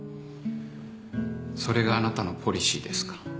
それがあなたのポリシーですか。